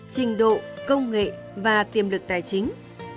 trình độ công nghệ và tiềm lực tài chính